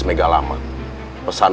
aku akan mencari